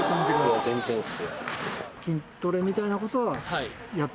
いや全然っすね。